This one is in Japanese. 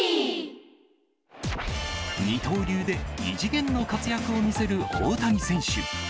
二刀流で異次元の活躍を見せる大谷選手。